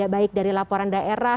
baik dari laporan daerah